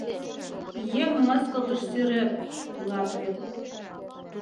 Еҥ мыскылтыш сӱрет, улат вет...